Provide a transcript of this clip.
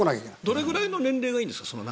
どれぐらいの年齢がいいんですか？